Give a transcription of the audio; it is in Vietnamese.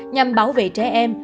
nhằm bảo vệ trẻ em